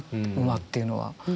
馬っていうのは。